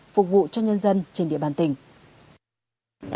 phục vụ cho nhân dân trên địa bàn tỉnh